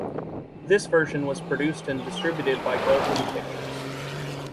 This version was produced and distributed by Goldwyn Pictures.